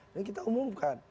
dan kita umumkan